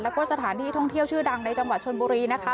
แล้วก็สถานที่ท่องเที่ยวชื่อดังในจังหวัดชนบุรีนะคะ